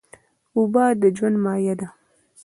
اوبه د ژوند مایه ده.